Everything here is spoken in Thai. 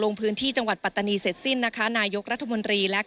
ลงพื้นที่จังหวัดปัตตานีเสร็จสิ้นนะคะนายกรัฐมนตรีและ